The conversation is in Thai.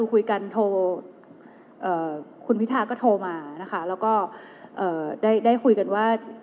คุยกันโทรคุณพิธาก็โทรมานะคะแล้วก็ได้คุยกันว่า